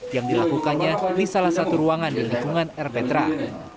yang dilakukannya di salah satu ruangan di lingkungan rptra